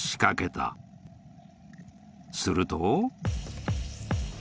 ［すると］